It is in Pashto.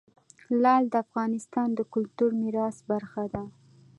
لعل د افغانستان د کلتوري میراث برخه ده.